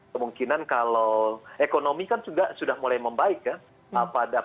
kemungkinan kalau ekonomi kan juga sudah mulai membaik ya